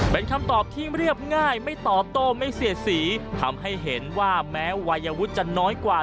เป็นคำตอบที่เรียบง่ายไม่ตอบโต้ไม่เสียดสีทำให้เห็นว่าแม้วัยวุฒิจะน้อยกว่า